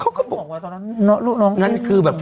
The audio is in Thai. เขาก็บอกนั่นคือแบบ